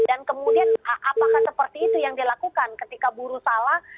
dan kemudian apakah seperti itu yang dilakukan ketika buruh salah